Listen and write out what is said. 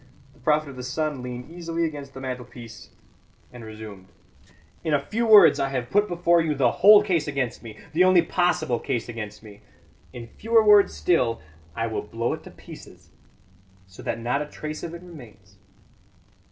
The prophet of the sun leaned easily against the mantelpiece and resumed: "In a few words I have put before you the whole case against me the only possible case against me. In fewer words still I will blow it to pieces, so that not a trace of it remains.